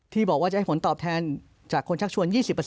ที่บอกว่าจะให้ผลตอบแทนจากคนชักชวน๒๐